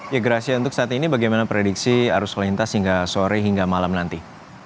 ya gracia untuk saat ini bagaimana prediksi arus lintas hingga sore hingga malam nanti